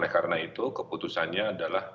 oleh karena itu keputusannya adalah